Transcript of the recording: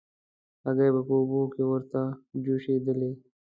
هګۍ به په اوبو کې ورته جوشېدلې.